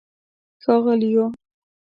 ښاغلیو